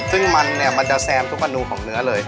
ซึ่งมันเนี่ยมันจะแซมทุกอนูของเนื้อเลย